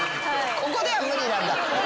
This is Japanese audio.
ここでは無理なんだ。